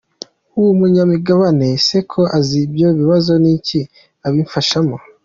Uwo munyamigabane se ko azi ibyo bibazo, ni iki abimfashamo ?”.